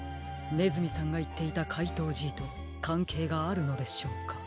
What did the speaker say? ねずみさんがいっていたかいとうＧとかんけいがあるのでしょうか？